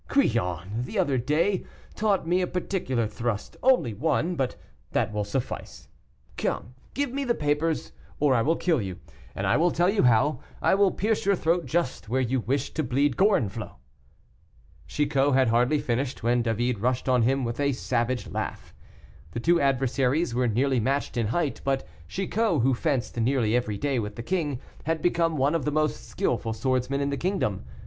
Crillon, the other day, taught me a particular thrust, only one, but that will suffice. Come, give me the papers, or I will kill you; and I will tell you how I will pierce your throat just where you wished to bleed Gorenflot." Chicot had hardly finished, when David rushed on him with a savage laugh. The two adversaries were nearly matched in height, but Chicot, who fenced nearly every day with the king, had become one of the most skilful swordsmen in the kingdom.